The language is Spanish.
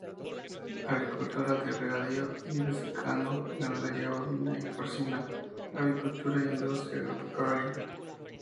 Agricultura de regadío y de secano, ganadería bovina y porcina, avicultura e industria agropecuaria.